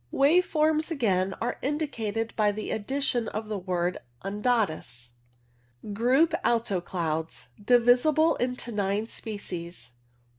Wave forms again are indicated by the addition of the word undatus. Group Alto Clouds. Divisible into nine species.